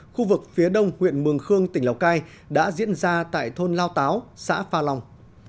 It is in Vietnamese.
khu vực phía đông huyện mường khương tỉnh lào cai đã diễn ra tại thôn lao táo xã pha long